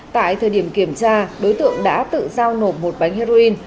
tại thời điểm kiểm tra đối tượng đã tự giao nộp một bánh heroin